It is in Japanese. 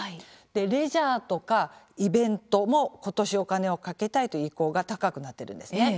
レジャーとかイベントも今年お金をかけたいという意向が高くなっているんですね。